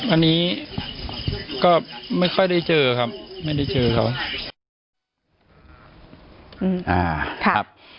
อันนี้ก็ไม่ค่อยได้เจอครับไม่ได้เจอเขา